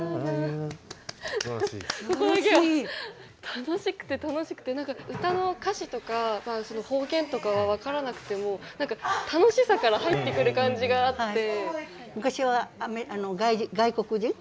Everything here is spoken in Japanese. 楽しくて楽しくて何か唄の歌詞とか方言とかは分からなくても何か楽しさから入ってくる感じがあって。